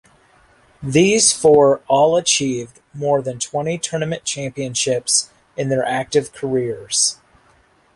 These four all achieved more than twenty tournament championships in their active careers.